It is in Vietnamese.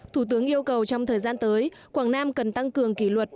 thủ tướng yêu cầu trong thời gian tới quảng nam cần tăng cường kỷ luật